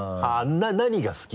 何が好き？